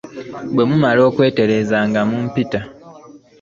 Bwe mumala okwetereeza nga mumpita.